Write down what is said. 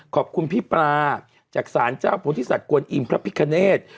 ขอบคุณพี่ปลาจากสารเจ้าโพธิสัตว์กวนอิมพระพิคเนธ